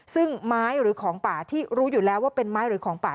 ซึ่งไม้หรือของป่าที่รู้อยู่แล้วว่าเป็นไม้หรือของป่า